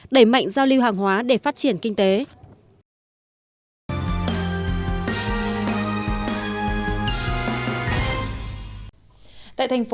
đẩy mạnh giao lưu hàng hóa để phát triển